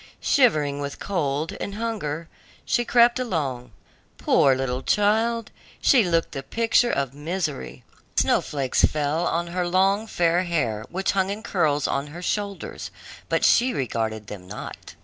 Shivering with cold and hunger, she crept along; poor little child, she looked the picture of misery. The snowflakes fell on her long, fair hair, which hung in curls on her shoulders, but she regarded them not.